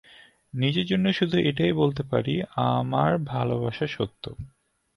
নিজের জন্য শুধু এটাই বলতে পারি আমার ভালবাসা সত্য।